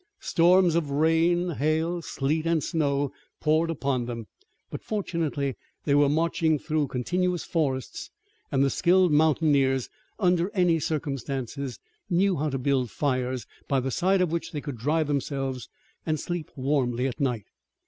Storms of rain, hail, sleet and snow poured upon them, but, fortunately, they were marching through continuous forests, and the skilled mountaineers, under any circumstances, knew how to build fires, by the side of which they could dry themselves, and sleep warmly at night.